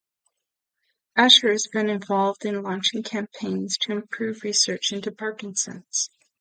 Asher has been involved in launching campaigns to improve research into Parkinson's.